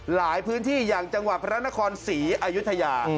หลายพื้นที่อย่างจังหวัดพระนครศรีอายุทยา